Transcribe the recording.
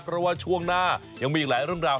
เพราะว่าช่วงหน้ายังมีอีกหลายเรื่องราว